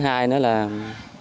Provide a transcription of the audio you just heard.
không có tiền